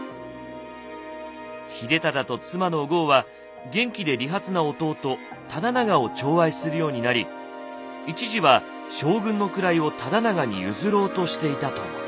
秀忠と妻のお江は元気で利発な弟忠長をちょう愛するようになり一時は将軍の位を忠長に譲ろうとしていたとも。